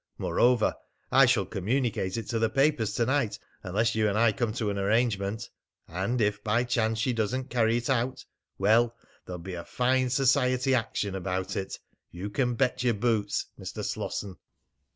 Moreover, I shall communicate it to the papers to night unless you and I come to an arrangement. And if by any chance she doesn't carry it out well, there'll be a fine society action about it, you can bet your boots, Mr. Slosson."